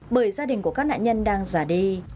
bởi gia đình của các nạn nhân đang già đi